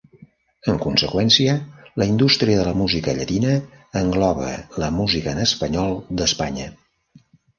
En conseqüència, la indústria de la música llatina engloba la música en espanyol d'Espanya.